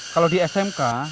kalau di smk